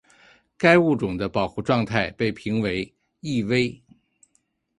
该物种的保护状况被评为易危。